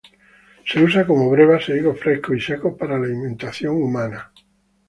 Se usa como brevas e higos frescos y secos para alimentación humana.